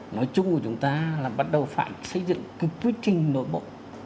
nói chung của chúng ta là bắt đầu phải xây dựng cái quy trình nội bộ